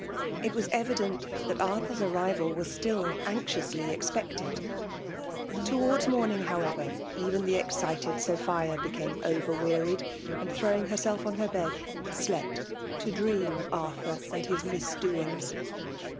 It was evident that Arthnr^s arrival was still anxiously expected. Towards morn ing, however, even the excited Sophia became over wearied, and throwing herself on her bed, slept to dream of Arthur and his misdoings.